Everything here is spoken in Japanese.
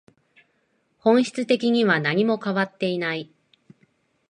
本質的には何も変わっていない